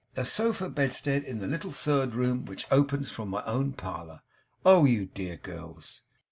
'A sofa bedstead in the little third room which opens from my own parlour. Oh, you dear girls!